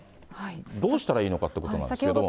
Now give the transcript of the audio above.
どうしたらいいのかということなんですけれども。